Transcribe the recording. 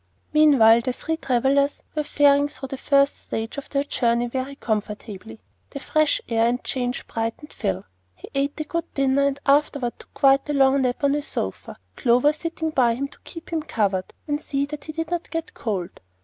Meanwhile the three travellers were faring through the first stage of their journey very comfortably. The fresh air and change brightened Phil; he ate a good dinner, and afterward took quite a long nap on a sofa, Clover sitting by to keep him covered and see that he did not get cold.